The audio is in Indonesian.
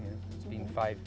mereka mudah dibangun atau